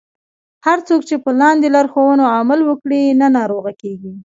هر څوک چې په لاندې لارښوونو عمل وکړي نه ناروغه کیږي.